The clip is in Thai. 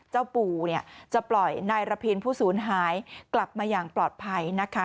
เจ้าปู่จะปล่อยนายระพินผู้สูญหายกลับมาอย่างปลอดภัยนะคะ